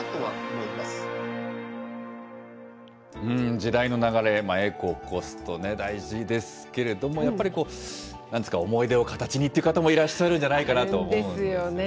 時代の流れ、エコ、コスト、大事ですけれども、やっぱりなんていうか、思い出を形にって方もいらっしゃるんじゃないかなと思うんですが。ですよね。